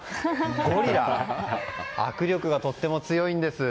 ゴリラは握力がとても強いんです。